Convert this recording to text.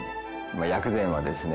薬膳はですね